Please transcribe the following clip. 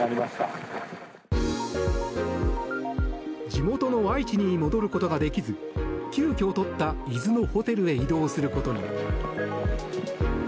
地元の愛知に戻ることができず急きょ取った伊豆のホテルへ移動することに。